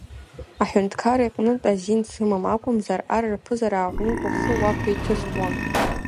Аҳәынҭқар иҟнытә азин сымам акәымзар, ар рԥызара аҟнытә ухы уақәиҭыстәуан.